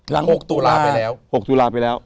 หกตุลาไปแล้ว